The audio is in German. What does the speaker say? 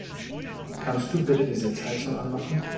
Kannst du bitte die Sitzheizung anmachen?